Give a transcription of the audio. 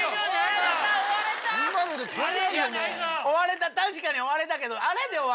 終われた確かに終われたけど。